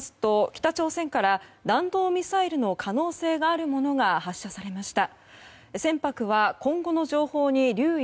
北朝鮮から弾道ミサイルの可能性があるものが発射されました。